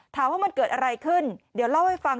ถามว่ามันเกิดอะไรขึ้นเดี๋ยวเล่าให้ฟัง